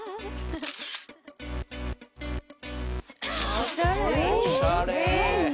おしゃれ。